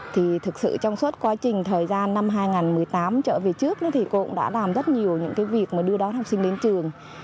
thì thực sự trong suốt quá trình thời gian năm hai nghìn một mươi tám trở về trước thì cô cũng đã làm rất nhiều những cái việc mà đưa đón học sinh đến trường